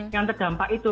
yang terdampak itu